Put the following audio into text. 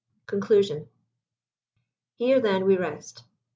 CONCLUSION. Here, then, we rest.